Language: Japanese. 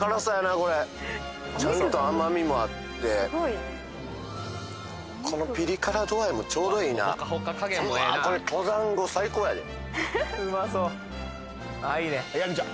これちゃんと甘みもあってこのピリ辛度合いもちょうどいいなうわーこれ登山後最高やでうまそうあ